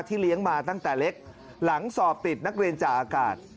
เลี้ยงมาตั้งแต่เล็กหลังสอบติดนักเรียนจ่าอากาศ